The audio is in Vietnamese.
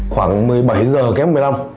khoảng một mươi bảy h kép một mươi năm